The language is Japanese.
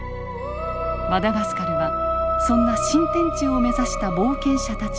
マダガスカルはそんな新天地を目指した冒険者たちの箱船なのです。